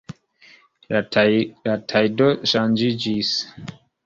La tajdo ŝanĝiĝis.